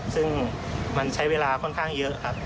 ซึ่งมันใช้เวลาค่อนข้างเยอะครับ